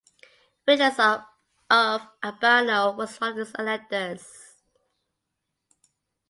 Vitalis of Albano was one of his electors.